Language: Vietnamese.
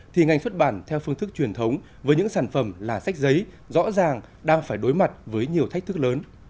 thì ngành xuất bản theo phương thức truyền thống với những sản phẩm là sách giấy rõ ràng đang phải đối mặt với nhiều thách thức lớn